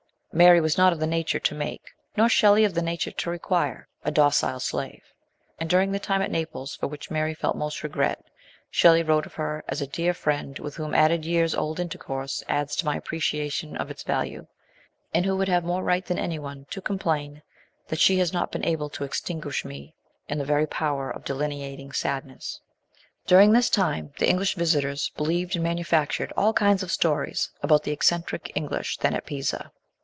Mary was not of the nature to make, nor Shelley of the nature to require,, a docile slave ; and during the time at Naples, for which Mary felt most regret, Shelley wrote of her as " a dear friend with whom added years of intercourse adds to my appre ciation of its value, and who would have more right than anyone to complain that she has not been able to extinguish in me the very power of delineating sadness/' During this time the English visitors believed and manufactured all kinds of stories about the eccentric English then at Pisa.